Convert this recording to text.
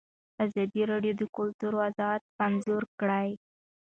ازادي راډیو د کلتور وضعیت انځور کړی.